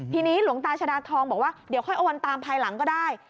ทีนี้หลวงตาชดาทองบอกว่าเดี๋ยวค่อยเอาวันตามภายหลังก็ได้